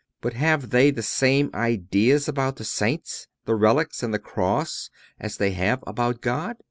But have they the same ideas about the Saints, the relics and the cross as they have about God?